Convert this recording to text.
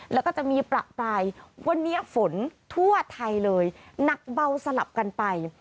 แล้วก็จะมีประปรายวันนี้ฝนทั่วไทยเลยหนักเบาสลับกันไป